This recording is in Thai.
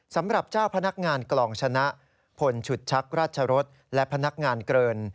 สำหรับเจ้าพนักงานกล่องชนะพลฉุดชักราชรสและพนักงานเกิน